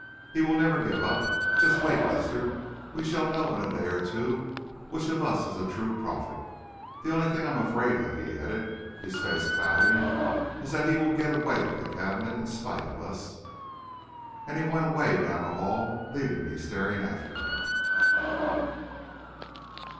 "He will never give up! Just wait, Lester; we shall know in a day or two which of us is a true prophet. The only thing I am afraid of," he added, his face clouding, "is that he'll get away with the cabinet, in spite of us!" And he went away down the hall, leaving me staring after him.